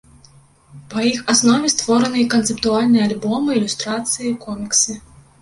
Па іх аснове створаны канцэптуальныя альбомы, ілюстрацыі, коміксы.